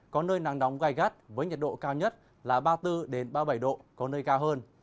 có nơi nắng nóng gai gắt với nhiệt độ cao nhất là ba mươi bốn ba mươi bảy độ có nơi cao hơn